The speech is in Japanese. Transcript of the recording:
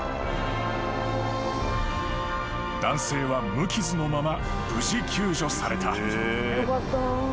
［男性は無傷のまま無事救助された］